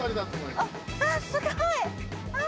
あっすごい！